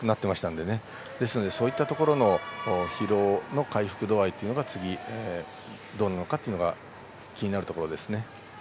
ですので、そういったところの疲労の回復度合いが次、どうなるか気になるところです。